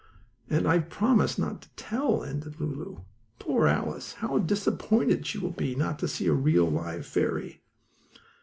"And I've promised not to tell," ended Lulu. "Poor Alice! How disappointed she will be not to see a real, live fairy!"